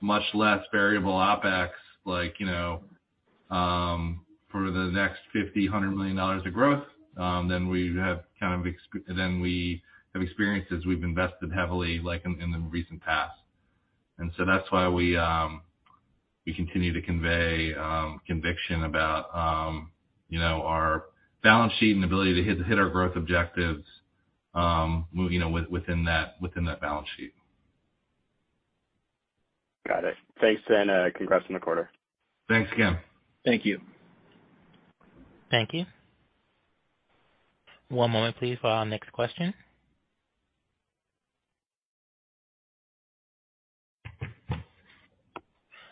S4: much less variable OpEx like, you know, for the next $50-$100 million of growth, than we have kind of than we have experienced as we've invested heavily like in the recent past. So that's why we continue to convey conviction about, you know, our balance sheet and ability to hit our growth objectives, you know, within that balance sheet.
S7: Got it. Thanks, and congrats on the quarter.
S4: Thanks again.
S3: Thank you.
S1: Thank you. One moment please for our next question.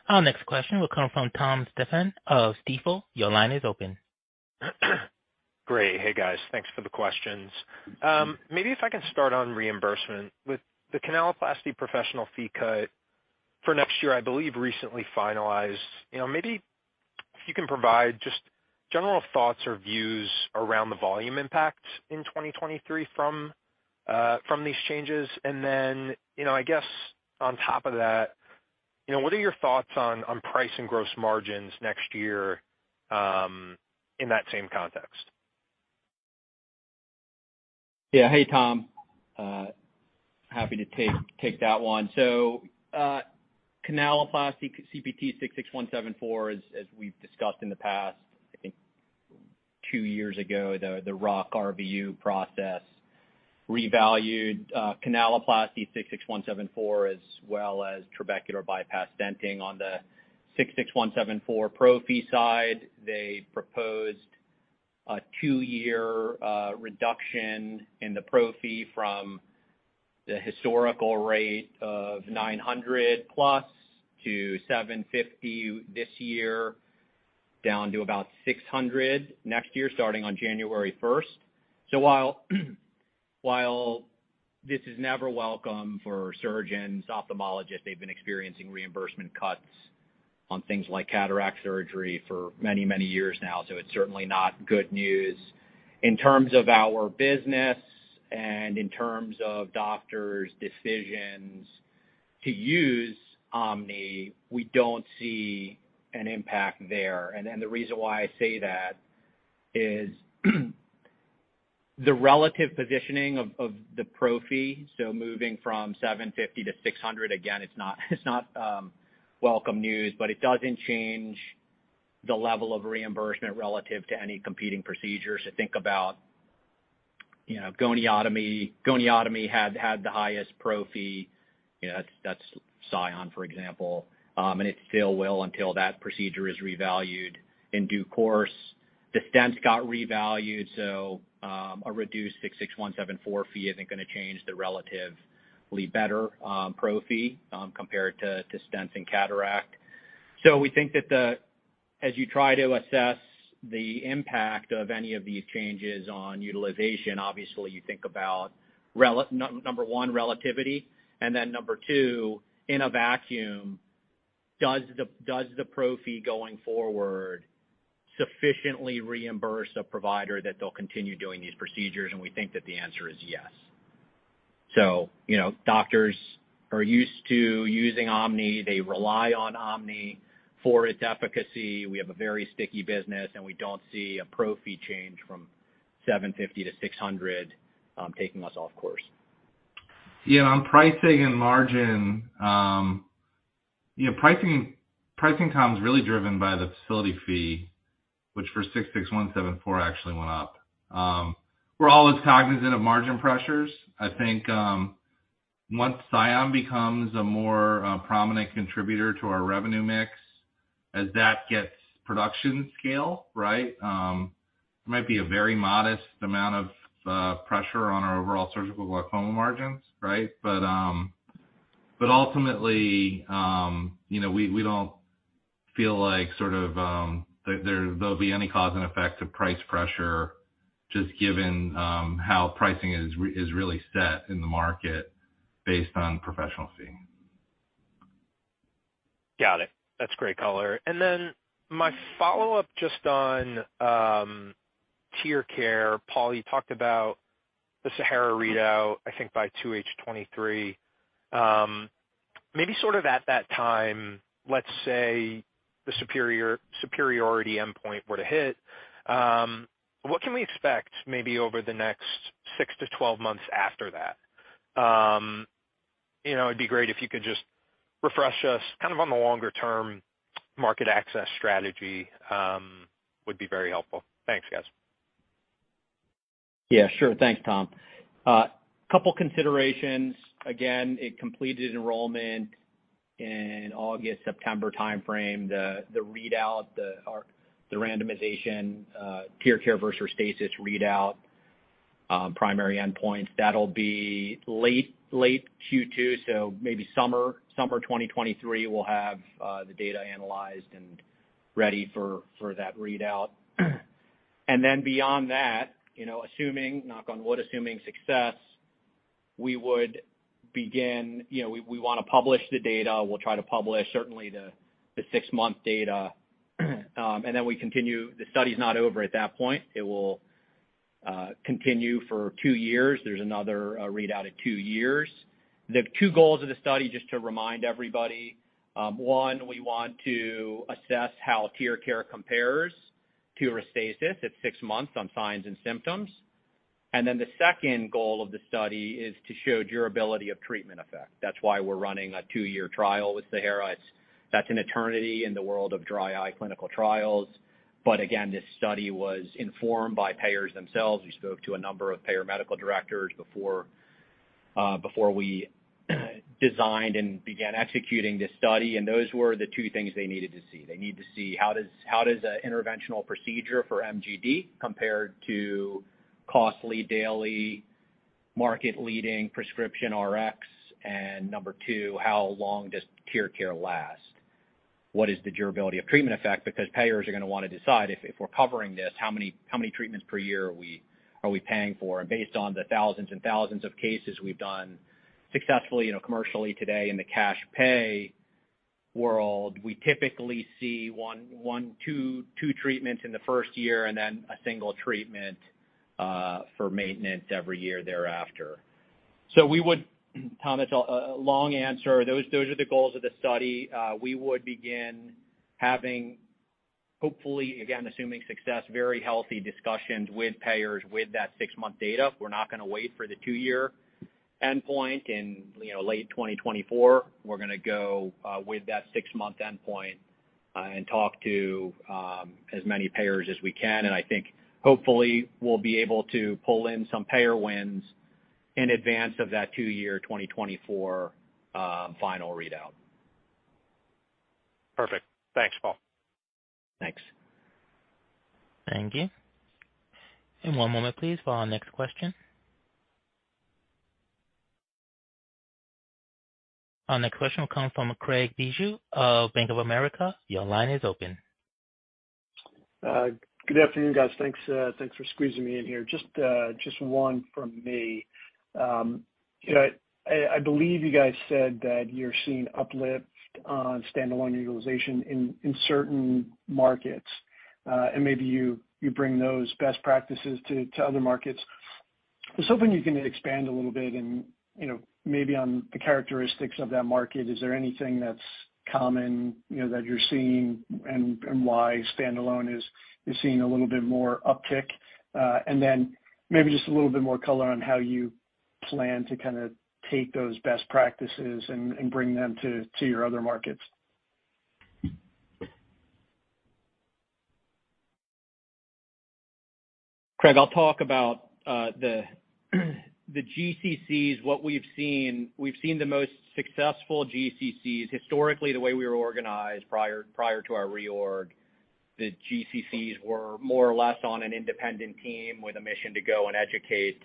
S1: Our next question will come from Thomas Stephan of Stifel. Your line is open.
S8: Great. Hey, guys. Thanks for the questions. Maybe if I can start on reimbursement. With the canaloplasty professional fee cut for next year I believe recently finalized, you know, maybe if you can provide just general thoughts or views around the volume impact in 2023 from these changes. Then, you know, I guess on top of that, you know, what are your thoughts on price and gross margins next year in that same context?
S3: Hey, Tom. Happy to take that one. Canaloplasty CPT 66174 as we've discussed in the past, I think 2 years ago, the RUC RVU process revalued canaloplasty 66174, as well as trabecular bypass stenting on the 66174 pro fee side. They proposed a two-year reduction in the pro fee from the historical rate of $900+ to $750 this year, down to about $600 next year, starting on January first. While this is never welcome for surgeons, ophthalmologists, they've been experiencing reimbursement cuts on things like cataract surgery for many years now, so it's certainly not good news. In terms of our business and in terms of doctors' decisions to use Omni, we don't see an impact there. The reason why I say that is the relative positioning of the pro fee, so moving from $750-$600, again, it's not welcome news, but it doesn't change the level of reimbursement relative to any competing procedures. Think about, you know, goniotomy. Goniotomy had the highest pro fee. You know, that's SION, for example. It still will until that procedure is revalued in due course. The stents got revalued, so a reduced CPT 66174 fee isn't gonna change the relatively better pro fee compared to stents and cataract. We think that as you try to assess the impact of any of these changes on utilization, obviously, you think about number one, relativity, and then number two, in a vacuum, does the pro fee going forward sufficiently reimburse a provider that they'll continue doing these procedures? We think that the answer is yes. You know, doctors are used to using Omni. They rely on Omni for its efficacy. We have a very sticky business, and we don't see a pro fee change from $750 to $600 taking us off course.
S4: Yeah, on pricing and margin, you know, pricing, Tom, is really driven by the facility fee, which for 66174 actually went up. We're always cognizant of margin pressures. I think, once SION becomes a more prominent contributor to our revenue mix, as that gets production scale, right, it might be a very modest amount of pressure on our overall surgical glaucoma margins, right? But ultimately, you know, we don't feel like there'll be any cause and effect to price pressure just given how pricing is really set in the market based on professional fee.
S8: Got it. That's great color. My follow-up just on TearCare. Paul, you talked about the SAHARA readout, I think, by 2H 2023. Maybe sort of at that time, let's say, the superiority endpoint were to hit, what can we expect maybe over the next 6-12 months after that? You know, it'd be great if you could just refresh us kind of on the longer-term market access strategy, would be very helpful. Thanks, guys.
S3: Yeah, sure. Thanks, Tom. Couple considerations. Again, it completed enrollment in August-September timeframe. The readout or the randomization, TearCare versus Restasis readout, primary endpoints, that'll be late Q2, so maybe summer 2023, we'll have the data analyzed and ready for that readout. Beyond that, you know, assuming, knock on wood, assuming success, we would begin, you know, we wanna publish the data. We'll try to publish certainly the six-month data, and then we continue. The study's not over at that point. It will continue for two years. There's another readout at two years. The two goals of the study, just to remind everybody, one, we want to assess how TearCare compares to Restasis at six months on signs and symptoms. The second goal of the study is to show durability of treatment effect. That's why we're running a two-year trial with SAHARA. That's an eternity in the world of dry eye clinical trials. Again, this study was informed by payers themselves. We spoke to a number of payer medical directors before we designed and began executing this study, and those were the two things they needed to see. They need to see how does an interventional procedure for MGD compare to costly daily market-leading prescription RX. Number two, how long does TearCare last? What is the durability of treatment effect? Because payers are gonna wanna decide if we're covering this, how many treatments per year are we paying for? Based on the thousands and thousands of cases we've done successfully, commercially today in the cash pay world, we typically see one to two treatments in the first year and then a single treatment for maintenance every year thereafter. Tom, a long answer. Those are the goals of the study. We would begin having, hopefully, again, assuming success, very healthy discussions with payers with that six-month data. We're not gonna wait for the two-year endpoint in late 2024. We're gonna go with that six-month endpoint and talk to as many payers as we can. I think hopefully we'll be able to pull in some payer wins in advance of that two-year 2024 final readout.
S8: Perfect. Thanks, Paul.
S3: Thanks.
S1: Thank you. One moment please for our next question. Our next question will come from Craig Bijou of Bank of America. Your line is open.
S9: Good afternoon, guys. Thanks for squeezing me in here. Just one from me. You know, I believe you guys said that you're seeing uplift on standalone utilization in certain markets, and maybe you bring those best practices to other markets. I was hoping you can expand a little bit and, you know, maybe on the characteristics of that market. Is there anything that's common, you know, that you're seeing and why standalone is seeing a little bit more uptick? Maybe just a little bit more color on how you plan to kinda take those best practices and bring them to your other markets.
S3: Craig, I'll talk about the GCCs, what we've seen. We've seen the most successful GCCs. Historically, the way we were organized prior to our reorg, the GCCs were more or less on an independent team with a mission to go and educate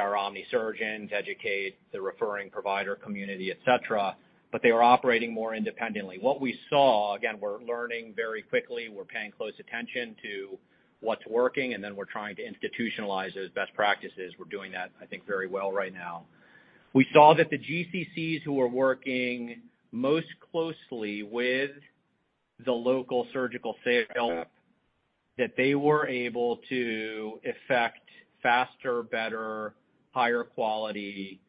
S3: our Omni surgeons, educate the referring provider community, et cetera, but they were operating more independently. What we saw, again, we're learning very quickly. We're paying close attention to what's working, and then we're trying to institutionalize those best practices. We're doing that, I think, very well right now. We saw that the GCCs who were working most closely with the local surgical sales, that they were able to effect faster, better, higher quality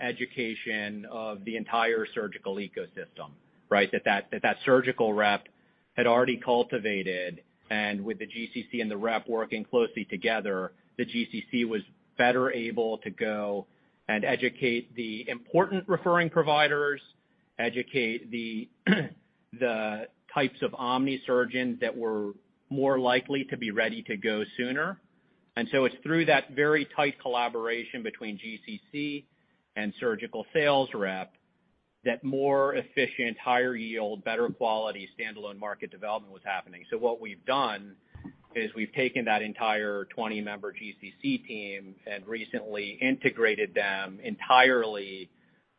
S3: education of the entire surgical ecosystem, right? That surgical rep had already cultivated, and with the GCC and the rep working closely together, the GCC was better able to go and educate the important referring providers, educate the types of OMNI surgeons that were more likely to be ready to go sooner. It's through that very tight collaboration between GCC and surgical sales rep that more efficient, higher yield, better quality standalone market development was happening. What we've done is we've taken that entire 20-member GCC team and recently integrated them entirely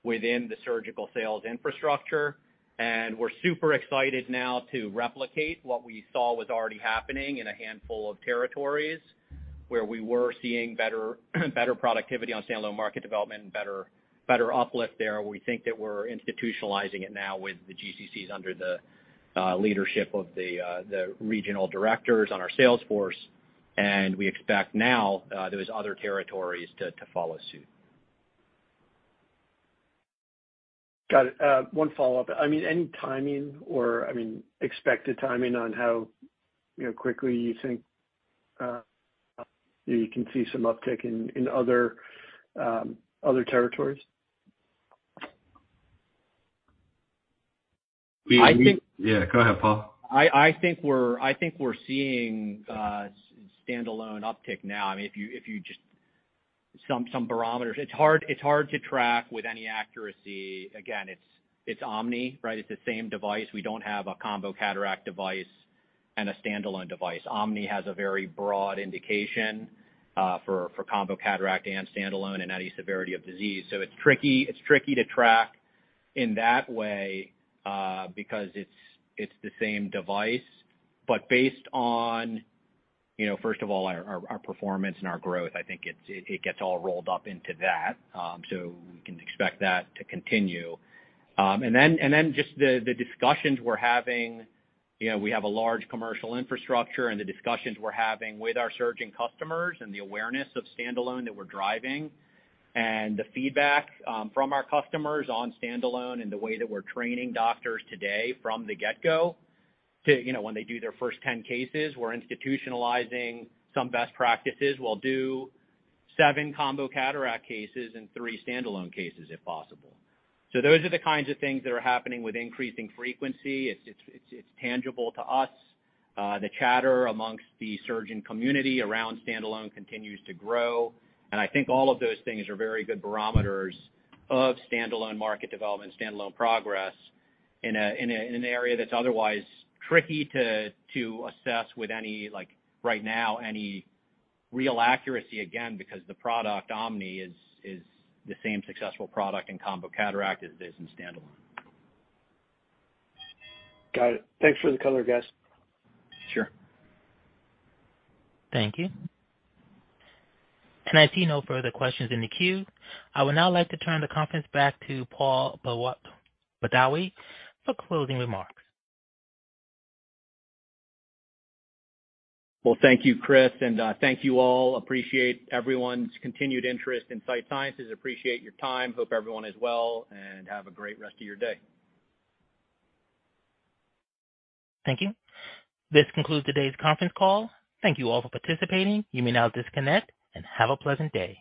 S3: within the surgical sales infrastructure. We're super excited now to replicate what we saw was already happening in a handful of territories, where we were seeing better productivity on standalone market development and better uplift there. We think that we're institutionalizing it now with the GCCs under the leadership of the regional directors on our sales force. We expect now those other territories to follow suit.
S9: Got it. One follow-up. I mean, expected timing on how, you know, quickly you think you can see some uptick in other territories?
S3: I think-
S9: Yeah, go ahead, Paul.
S3: I think we're seeing standalone uptick now. I mean some barometers. It's hard to track with any accuracy. Again, it's OMNI, right? It's the same device. We don't have a combo cataract device and a standalone device. OMNI has a very broad indication for combo cataract and standalone and any severity of disease. It's tricky to track in that way because it's the same device. Based on you know, first of all, our performance and our growth, I think it gets all rolled up into that. We can expect that to continue. Then just the discussions we're having. You know, we have a large commercial infrastructure and the discussions we're having with our surgeon customers and the awareness of standalone that we're driving and the feedback from our customers on standalone and the way that we're training doctors today from the get-go to, you know, when they do their first 10 cases. We're institutionalizing some best practices. We'll do seven combo cataract cases and three standalone cases if possible. Those are the kinds of things that are happening with increasing frequency. It's tangible to us. The chatter among the surgeon community around standalone continues to grow. I think all of those things are very good barometers of standalone market development, standalone progress in an area that's otherwise tricky to assess with any, like right now, any real accuracy, again, because the product OMNI is the same successful product in combo cataract as it is in standalone.
S9: Got it. Thanks for the color, guys.
S3: Sure.
S1: Thank you. I see no further questions in the queue. I would now like to turn the conference back to Paul Badawi for closing remarks.
S3: Well, thank you, Chris, and thank you all. Appreciate everyone's continued interest in Sight Sciences. Appreciate your time. Hope everyone is well, and have a great rest of your day.
S1: Thank you. This concludes today's conference call. Thank you all for participating. You may now disconnect and have a pleasant day.